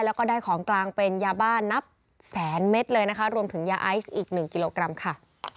แล้วก็ได้ของกลางเป็นยาบ้านนับแสนเม็ดเลยนะคะรวมถึงยาไอซ์อีกหนึ่งกิโลกรัมค่ะ